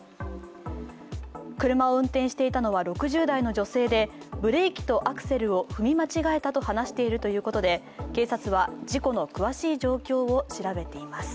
車を運転していたのは６０代の女性でブレーキとアクセルを踏み間違えたと話しているということで、警察は事故の詳しい状況を調べています。